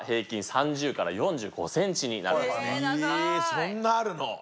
そんなあるの？